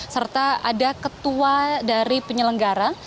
serta ada ketua dari penyelenggara